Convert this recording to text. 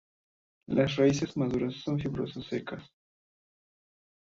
Las raíces maduras son fibrosas y secas.